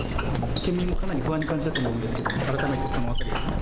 県民もかなり不安に感じたと思うんですが改めて。